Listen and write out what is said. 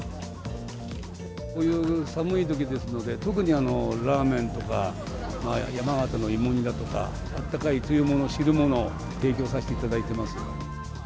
こういう寒いときですので、特にラーメンとか、山形の芋煮だとか、あったかいつゆ物、汁物、提供させていただいてます。